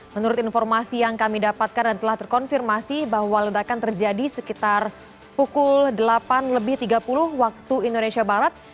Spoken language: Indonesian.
menurut informasi yang kami dapatkan dan telah terkonfirmasi bahwa ledakan terjadi sekitar pukul delapan lebih tiga puluh waktu indonesia barat